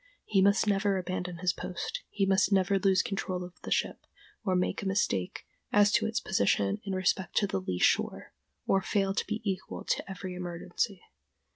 He must never abandon his post, he must never lose his control of the ship, or make a mistake as to its position in respect to the lee shore, or fail to be equal to every emergency.